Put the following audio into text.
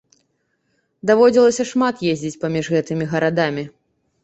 Даводзілася шмат ездзіць паміж гэтымі гарадамі.